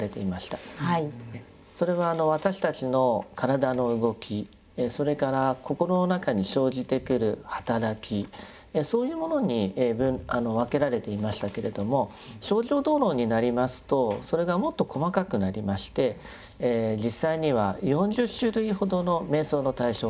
それは私たちの体の動きそれから心の中に生じてくる働きそういうものに分けられていましたけれども「清浄道論」になりますとそれがもっと細かくなりまして実際には４０種類ほどの瞑想の対象が出てまいります。